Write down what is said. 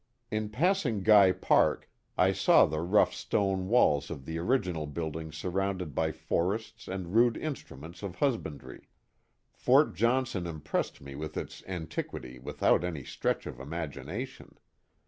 In passing Guy Park I saw the rough stone walls of the original building surrounded by forests and rude instruments of husbandry. Fort Johnson impressed me with its antiquity without any stretch of imagination.